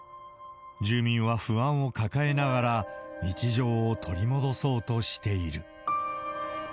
住民は不安を抱えながら、日常を取り戻そうとしている。